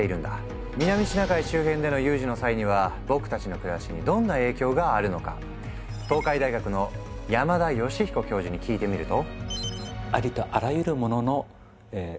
南シナ海周辺での有事の際には僕たちの暮らしにどんな影響があるのか東海大学の山田吉彦教授に聞いてみると。